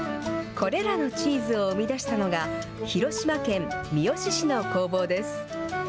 これらのチーズを生み出したのが、広島県三次市の工房です。